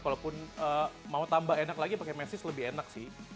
walaupun mau tambah enak lagi pakai mesis lebih enak sih